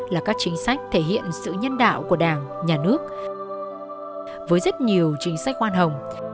là các chính sách thể hiện sự nhân đạo của đảng nhà nước với rất nhiều chính sách khoan hồng